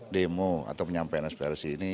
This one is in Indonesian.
demo atau menyampaikan inspirasi ini